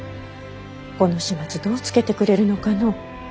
この始末どうつけてくれるのかの。